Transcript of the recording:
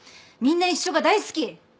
みんな一緒が大好き。